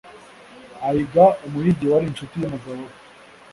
Agiha umuhigi wari inshuti y'umugabo we